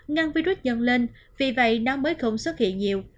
ngăn virus dần lên vì vậy nó mới không xuất hiện nhiều